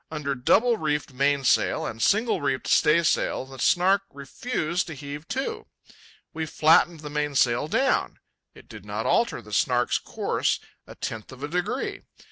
Under double reefed mainsail and single reefed staysail the Snark refused to heave to. We flattened the mainsail down. It did not alter the Snark's course a tenth of a degree.